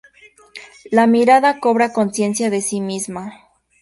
La mirada cobra conciencia de sí misma.